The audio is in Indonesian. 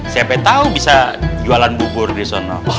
siapa tau bisa jualan bubur di sana